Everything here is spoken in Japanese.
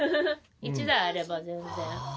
１台あれば全然。